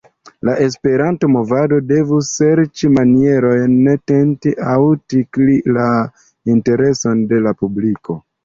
La Esperanto-movado devus serĉi manierojn tenti aŭ tikli la intereson de la publiko.